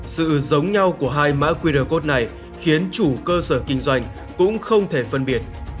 sự giống nhau của hai mã qr code này khiến chủ cơ sở kinh doanh cũng không thể phân biệt